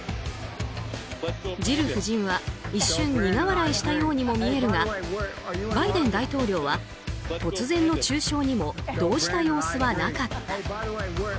ジル夫人は一瞬苦笑いしたようにも見えるがバイデン大統領は突然の中傷にも動じた様子はなかった。